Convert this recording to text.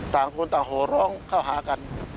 ต่างคนต่างโหร้องเข้าหากัน